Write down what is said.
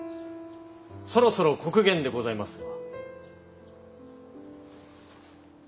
そろそろ刻限でございますが。